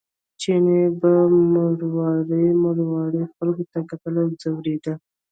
چیني به مړاوي مړاوي خلکو ته کتل او ځورېده.